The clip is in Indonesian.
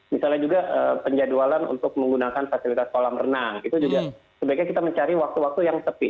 misalnya juga penjadwalan untuk menggunakan fasilitas kolam renang itu juga sebaiknya kita mencari waktu waktu yang sepi